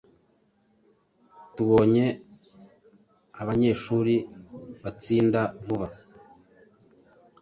Tubonye abanyeshuri batsinda vuba”.